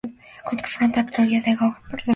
Confrontar teoría de gauge para las definiciones.